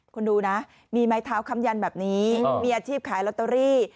คุณดูนะมีไม้เท้าคำยันแบบนี้มีอาชีพขายลอตเตอรี่